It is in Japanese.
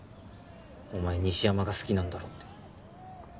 お前西山が好きなんだろって。